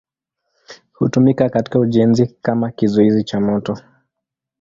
Hutumika katika ujenzi kama kizuizi cha moto.